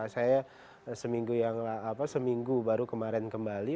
saya seminggu baru kemarin kembali